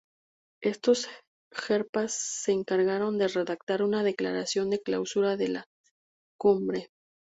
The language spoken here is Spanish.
Estos sherpas se encargaron de redactar una declaración de clausura de la cumbre.